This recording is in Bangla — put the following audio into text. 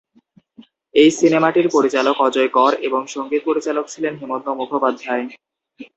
এই সিনেমাটির পরিচালক অজয় কর এবং সংগীত পরিচালক ছিলেন হেমন্ত মুখোপাধ্যায়।